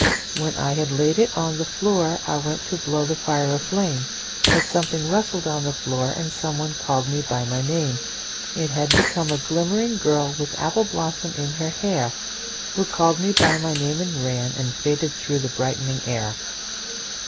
When I had laid it on the floorI went to blow the fire a flame, But something rustled on the floor, And someone called me by my name:It had become a glimmering girlWith apple blossom in her hairWho called me by my name and ranAnd faded through the brightening air.